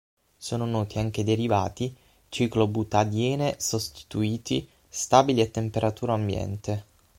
Sono noti anche derivati ciclobutadiene-sostituiti stabili a temperatura ambiente.